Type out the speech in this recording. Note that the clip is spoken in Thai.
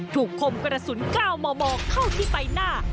ถูกคมกระสุนก้าวหม่อเข้าที่ไปหน้า